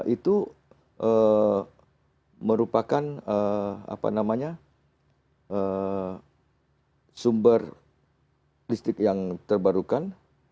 itu merupakan sumber listrik yang terbarukan